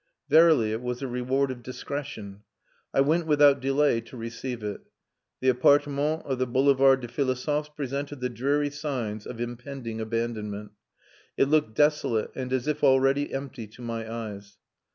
Verily, it was a reward of discretion. I went without delay to receive it. The appartement of the Boulevard des Philosophes presented the dreary signs of impending abandonment. It looked desolate and as if already empty to my eyes.